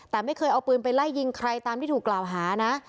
แต่ไม่เคยเอาปืนไปไล่ยิงใครตามที่ถูกกล่าวหานะ